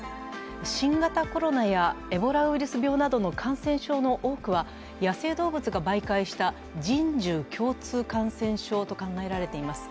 新型コロナやエボラウイルス病などの感染病の多くは野生動物が媒介した人獣共通感染症と考えられています。